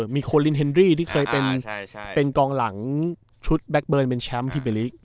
มีโคลินเฮนรี่ที่เคยเป็นกองหลังชุดแบ็คเบิร์นเป็นแชมป์พรีเบลิก